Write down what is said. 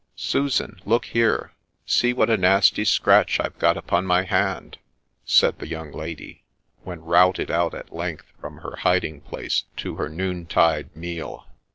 ' Susan, look here ; see what a nasty scratch I have got upon my hand,' said the young lady, when routed out at length from her hiding place to her noontide meal.